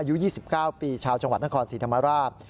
อายุ๒๙ปีชาวจังหวัดนครศรีธรรมราช